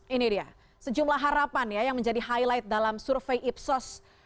ini dia sejumlah harapan ya yang menjadi highlight dalam survei ipsos